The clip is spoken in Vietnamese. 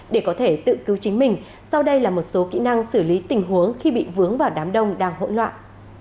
để có thể tự cứu chính mình sau đây là một số kỹ năng xử lý tình huống khi bị vướng vào đám đông đang hỗn loạn